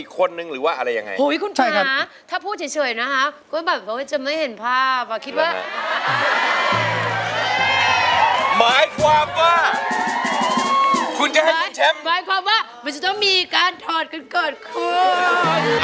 คุณจะให้คุณแชมป์หมายความว่ามันจะต้องมีการถอดกันก่อนคือ